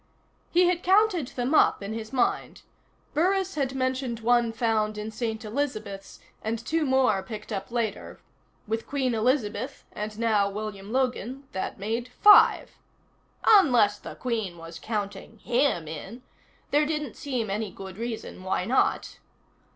"_ He had counted them up in his mind. Burris had mentioned one found in St. Elizabeths, and two more picked up later. With Queen Elizabeth, and now William Logan, that made five. Unless the Queen was counting him in. There didn't seem any good reason why not.